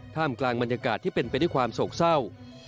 กลางบรรยากาศที่เป็นไปด้วยความโศกเศร้า